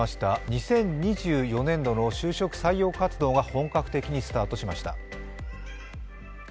２０２４年度の就職採用活動が本格的にスタートしました。